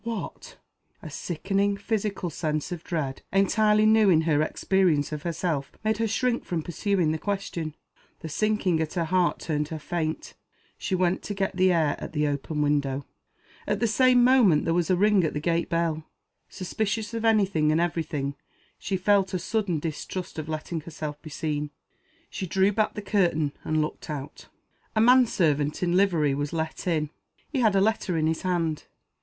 "What?" A sickening, physical sense of dread entirely new in her experience of herself made her shrink from pursuing the question. The sinking at her heart turned her faint. She went to get the air at the open window. At the same moment there was a ring at the gate bell. Suspicious of any thing and every thing, she felt a sudden distrust of letting herself be seen. She drew back behind the curtain and looked out. A man servant, in livery, was let in. He had a letter in his hand.